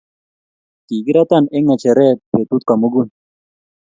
kikiratan eng ngecheree betut komugul.